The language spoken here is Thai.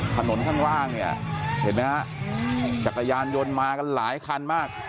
ข้างล่างเนี่ยเห็นไหมฮะจักรยานยนต์มากันหลายคันมาก